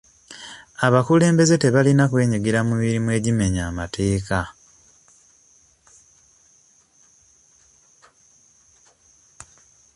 Abakulembeze tebalina kwenyigira mu mirimu egimenya amateeka.